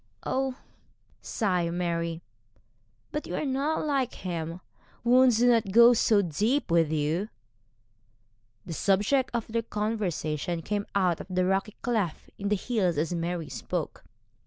'Oh!' sighed Mary, 'but you are not like him; wounds do not go so deep with you.' The subject of their conversation came out of the rocky cleft in the hills as Mary spoke.